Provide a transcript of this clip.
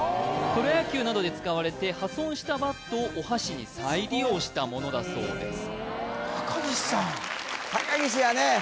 プロ野球などで使われて破損したバットをお箸に再利用したものだそうです